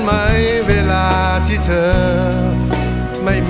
แล้วก็แนนที่ลุงหาเล่น